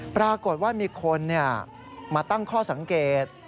ปรากฏว่ามีคนมาตั้งข้อสังเกต